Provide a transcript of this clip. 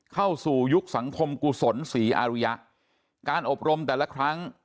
เข้าสู่ยุคสังคมกุศลศรีอาริยะการอบรมแต่ละครั้ง